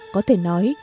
có thể nói